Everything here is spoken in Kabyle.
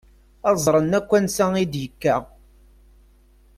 Ad ẓṛen akk ansa i d-yekka.